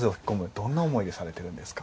どんな思いでされてるんですか？